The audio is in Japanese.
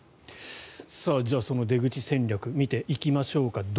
じゃあその出口戦略を見ていきましょうか。